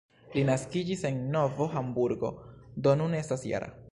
Li naskiĝis en Novo Hamburgo, do nun estas -jara.